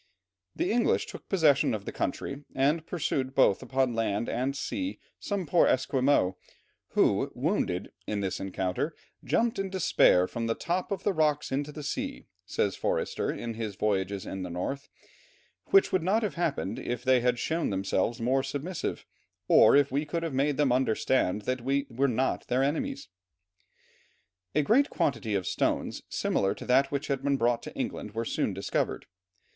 The English took possession of the country, and pursued both upon land and sea some poor Esquimaux, who, wounded "in this encounter, jumped in despair from the top of the rocks into the sea," says Forster in his Voyages in the North, "which would not have happened if they had shown themselves more submissive, or if we could have made them understand that we were not their enemies." A great quantity of stones similar to that which had been brought to England were soon discovered.